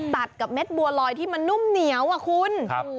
ตัดกับเม็ดบัวลอยที่มันนุ่มเหนียวอ่ะคุณ